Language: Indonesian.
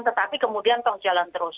tetapi kemudian tongjalan terus